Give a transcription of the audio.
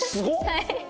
はい。